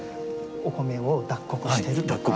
お米を脱穀してるとか。